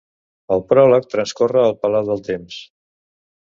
El pròleg transcorre al Palau del Temps.